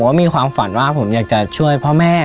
มีความฝันว่าผมอยากจะช่วยพ่อแม่